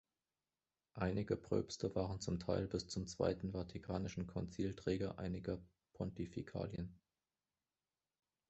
Einige Pröpste waren zum Teil bis zum Zweiten Vatikanischen Konzil Träger einiger Pontifikalien.